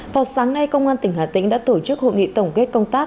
vào sáng nay công an tỉnh hà tĩnh đã tổ chức hội nghị tổng kết công tác